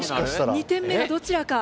２点目がどちらか。